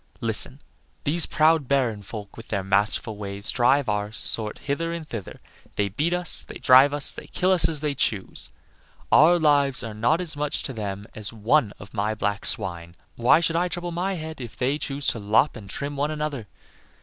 Listen! these proud Baron folk, with their masterful ways, drive our sort hither and thither; they beat us, they drive us, they kill us as they choose. Our lives are not as much to them as one of my black swine. Why should I trouble my head if they choose to lop and trim one another?